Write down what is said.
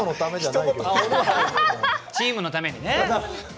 チームのためにね。